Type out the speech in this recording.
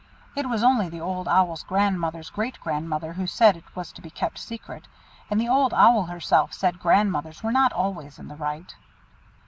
It was only the Old Owl's grandmother's great grandmother who said it was to be kept secret, and the Old Owl herself said grandmothers were not always in the right."